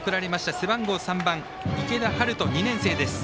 背番号３番、池田陽翔２年生です。